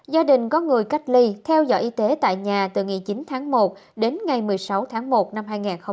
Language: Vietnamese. gia đình có người cách ly theo dõi y tế tại nhà từ ngày chín tháng một đến ngày một mươi sáu tháng một năm hai nghìn hai mươi